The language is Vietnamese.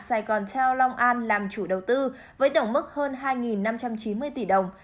saigon town long an làm chủ đầu tư với tổng mức hơn hai năm trăm chín mươi tỷ đồng